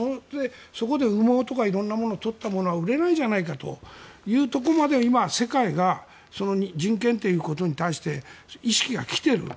そこで羽毛とか色んなものを取ったものは売れないじゃないかというところまで今、世界が人権ということに対して意識が来ている。